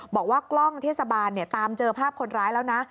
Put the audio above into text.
บอกว่ากล้องเทศบาลตามเจอภาพคนร้ายแล้วนะ